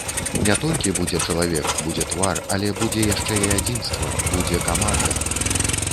Не толькі будзе чалавек, будзе твар, але будзе яшчэ і адзінства, будзе каманда.